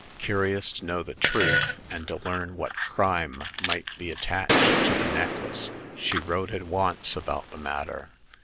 Curious to know the truth, and to learn what crime might be attached to the neck lace, she wrote at once about the matter.